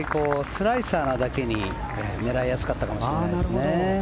スライサーなだけに狙いやすかったかもしれないですね。